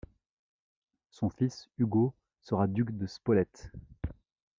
Son fils Ugo sera duc de Spolète.